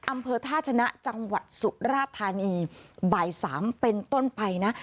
อำเภอท่าชนะจังหวัดสุราธานีบ่าย๓เป็นต้นไปนะ